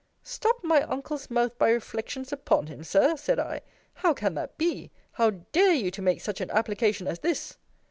Stopped my uncle's mouth, by reflections upon him, Sir! said I, how can that be! how dare you to make such an application as this!